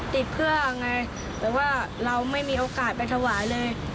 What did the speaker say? ติดเพื่อไงแต่ว่าเราไม่มีโอกาสไปถวายเลย